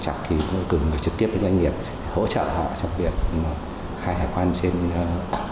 thì chúng tôi cũng trực tiếp với doanh nghiệp hỗ trợ họ trong việc khai hải quan trên hệ thống điện tử